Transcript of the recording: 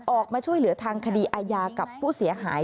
ออกมาช่วยเหลือทางคดีอาญากับผู้เสียหาย